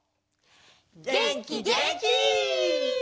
げんきげんき！